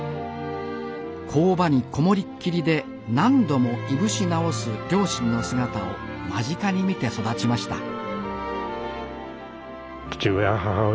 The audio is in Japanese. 工場に籠もりっきりで何度も燻し直す両親の姿を間近に見て育ちました